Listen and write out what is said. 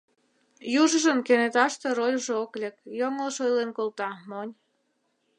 Южыжын кенеташте рольжо ок лек, йоҥылыш ойлен колта, монь.